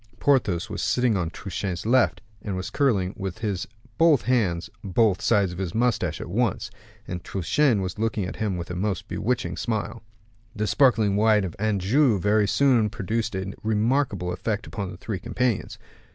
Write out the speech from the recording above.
Porthos was sitting on Truchen's left, and was curling with both his hands both sides of his mustache at once, and Truchen was looking at him with a most bewitching smile. The sparkling wine of Anjou very soon produced a remarkable effect upon the three companions.